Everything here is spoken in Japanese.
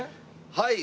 はい。